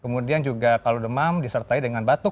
kemudian juga kalau demam disertai dengan batuk